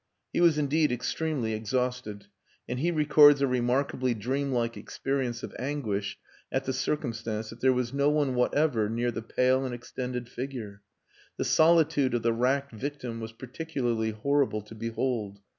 He was indeed extremely exhausted, and he records a remarkably dream like experience of anguish at the circumstance that there was no one whatever near the pale and extended figure. The solitude of the racked victim was particularly horrible to behold.